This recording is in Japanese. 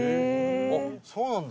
あっそうなんだ。